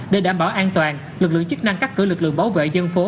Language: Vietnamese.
để đảm bảo an toàn lực lượng chức năng cắt cử lực lượng bảo vệ dân phố